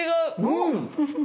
うん！